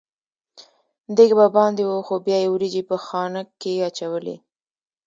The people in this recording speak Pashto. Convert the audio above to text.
دېګ به باندې و خو بیا یې وریجې په خانک کې اچولې.